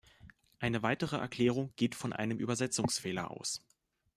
Eine weitere Erklärung geht von einem Übersetzungsfehler aus.